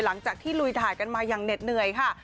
หลังจากที่ลุยถ่ายกันมาอย่างเหน็ดเหนื่อยค่ะ